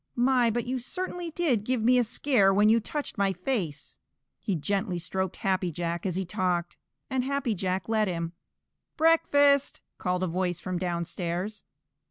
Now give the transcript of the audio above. My, but you certainly did give me a scare when you touched my face!" He gently stroked Happy Jack as he talked, and Happy Jack let him. "Breakfast!" called a voice from downstairs.